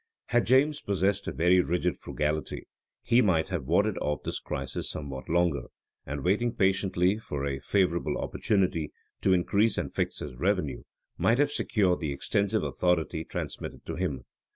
Had James possessed a very rigid frugality, he might have warded off this crisis somewhat longer; and waiting patiently for a favorable opportunity to increase and fix his revenue, might have secured the extensive authority transmitted to him.